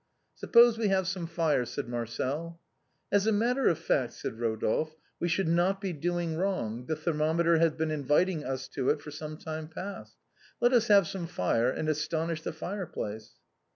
"Suppose we have some fire," said Marcel. " As a matter of fact," said Rodolphe, " we should not be doing wrong, the thermometer has been inviting us to it for some time past. Let us have some fire and astonish the fireplace."